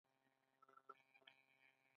آیا خیرات ټولول د حل لاره ده؟